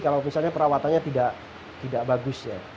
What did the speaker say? kalau misalnya perawatannya tidak bagus ya